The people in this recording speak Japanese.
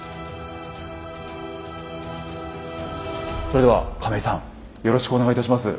それでは亀井さんよろしくお願いいたします。